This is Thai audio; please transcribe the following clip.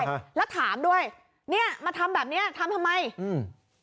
เออแล้วถามด้วยเนี้ยมาทำแบบเนี้ยทำทำไมอืม